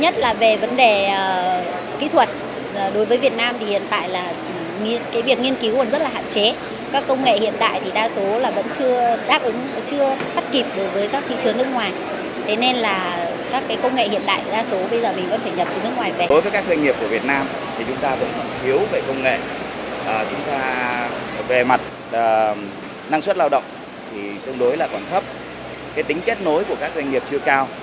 thì tương đối là còn thấp cái tính kết nối của các doanh nghiệp chưa cao